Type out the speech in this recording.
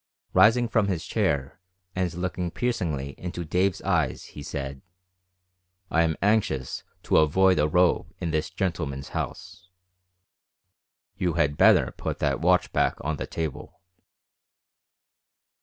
Rising from his chair and looking piercingly into Dave's eyes, he said: "I am anxious to avoid a row in this gentleman's house. You had better put that watch back on the table."